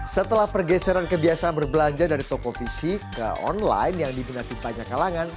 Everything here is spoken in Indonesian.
setelah pergeseran kebiasaan berbelanja dari toko fisik ke online yang diminati banyak kalangan